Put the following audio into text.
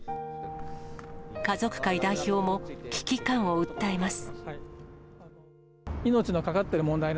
家族会代表も危機感を訴えます。